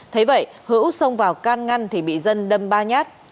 thấy vậy hữu xông vào can ngăn thì bị dân đâm ba nhát